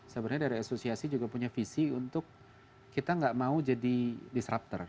sebenarnya dari asosiasi juga punya visi untuk kita gak mau jadi disruptor